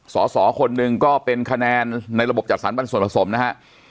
สอสอคนหนึ่งก็เป็นคะแนนในระบบจัดสรรปันส่วนผสมนะฮะ